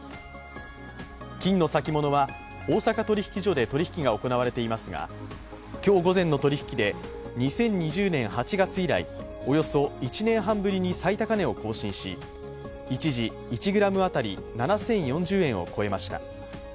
金の先物は大阪取引所で取り引きが行われていますが今日午前の取引で、２０２０年８月以来、およそ１年半ぶりに最高値を更新し一時、１ｇ当たり７０４０円を超えました